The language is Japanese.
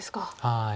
はい。